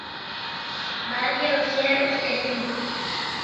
Malia os erros que tivo.